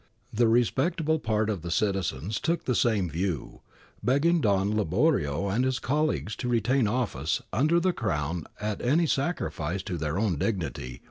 The respectable part of the citizens took the same view, begging Don Liborio and his colleagues to retain office under the Crown at any sacrifice to their own dignity or * Dumas, 285 287, see p.